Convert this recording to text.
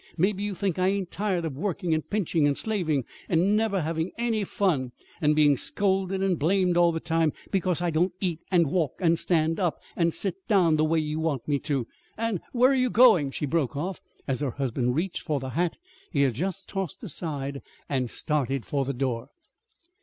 Maybe you think I ain't tired of working and pinching and slaving, and never having any fun, and being scolded and blamed all the time because I don't eat and walk and stand up and sit down the way you want me to, and Where are you goin'?" she broke off, as her husband reached for the hat he had just tossed aside, and started for the door.